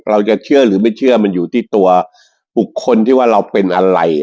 เราจะเชื่อหรือไม่เชื่อมันอยู่ที่ตัวบุคคลที่ว่าเราเป็นอะไร